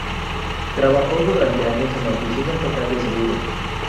Trabajó durante años en la Oficina estatal de Seguros.